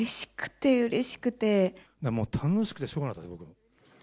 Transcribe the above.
もう、楽しくてしょうがなかったです、僕。